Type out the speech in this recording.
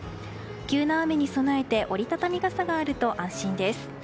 急な雨に備えて折り畳み傘があると安心です。